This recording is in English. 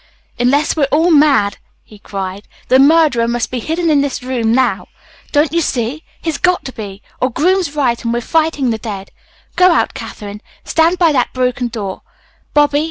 "Unless we're all mad," he cried, "the murderer must be hidden in this room now. Don't you see? He's got to be, or Groom's right, and we're fighting the dead. Go out, Katherine. Stand by that broken door, Bobby.